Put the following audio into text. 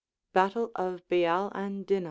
Battle of Beal' An Duine.